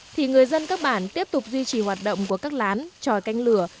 thì người dân các bản tiếp tục duy trì hoạt động của các lán tròi canh lửa